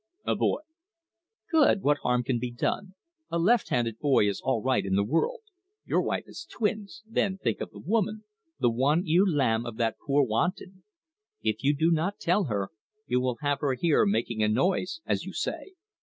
"A boy." "Good! What harm can be done? A left handed boy is all right in the world. Your wife has twins then think of the woman, the one ewe lamb of 'the poor wanton.' If you do not tell her, you will have her here making a noise, as you say.